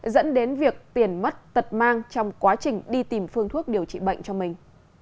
dẫn đến việc tiền mất tật mang trong quá trình đi tìm phương thuốc điều trị bệnh cho mình